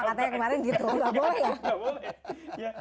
katanya kemarin gitu nggak boleh ya